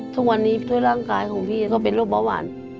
ทุกวันนี้ด้วยร่างกายของพี่ก็เป็นโรคเบาหวาน